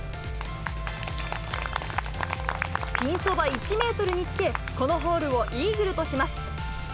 ピンそば１メートルにつけ、このホールをイーグルとします。